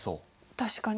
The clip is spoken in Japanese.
確かに。